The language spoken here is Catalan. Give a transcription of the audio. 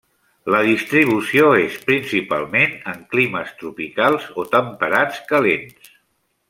La distribució és, principalment, en climes tropicals o temperats calents.